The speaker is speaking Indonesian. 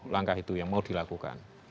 langkah itu yang mau dilakukan